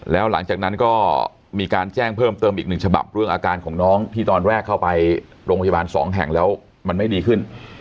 แล้วหลังจากนั้นก็มีการแจ้งเพิ่มเติมอีกหนึ่งฉบับเรื่องอาการของน้องที่ตอนแรกเข้าไปโรงพยาบาลสองแห่งแล้วมันไม่ดีขึ้น